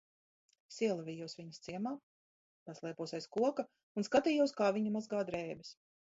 Es ielavījos viņas ciemā, paslēpos aiz koka un skatījos, kā viņa mazgā drēbes.